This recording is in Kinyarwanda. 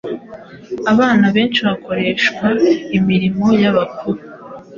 Abana benshi bakoreshwa imirimo y’ abakuru